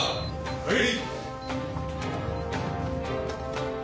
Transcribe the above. はい！